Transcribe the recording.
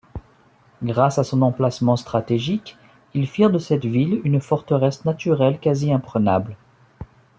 Grâce à son emplacement stratégique, ils firent de cette ville une forteresse naturelle quasi-imprenable.